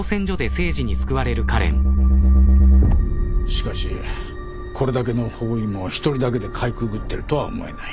しかしこれだけの包囲網を一人だけでかいくぐってるとは思えない。